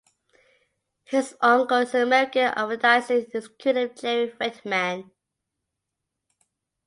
His uncle is American advertising executive Jerry Reitman.